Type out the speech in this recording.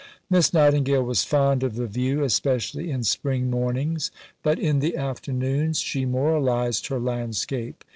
Miss Nightingale was fond of the view, especially in spring mornings, but in the afternoons she moralized her landscape.